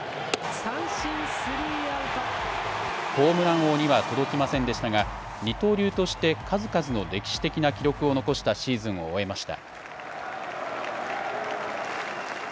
ホームラン王には届きませんでしたが二刀流として数々の歴史的な記録を残したシーズンを終えました。